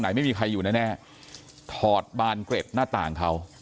ไม่มีใครอยู่แน่ถอดบานเกร็ดหน้าต่างเขา